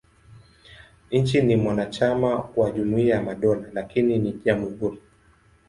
Nchi ni mwanachama wa Jumuiya ya Madola, lakini ni jamhuri.